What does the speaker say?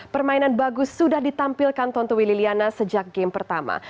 permainan bagus sudah ditampilkan tontowi liliana sejak game pertama